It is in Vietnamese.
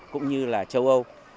cũng như là châu âu